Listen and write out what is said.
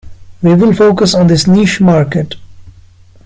We will focus on this niche market.